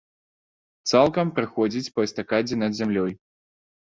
Цалкам праходзіць па эстакадзе над зямлёй.